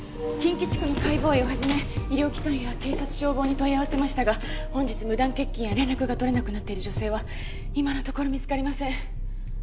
近畿地区の解剖医を始め医療機関や警察・消防に問い合わせましたが本日無断欠勤や連絡が取れなくなっている女性は今のところ見つかりません。